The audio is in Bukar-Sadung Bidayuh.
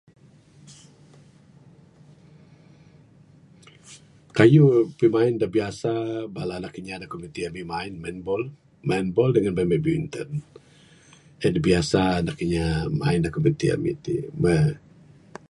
Kayuh pimain da biasa bala anak inya da komuniti ami main ne main ball ... main ball dengan main badminton. En biasa anak inya main da komuniti ami ti, meh.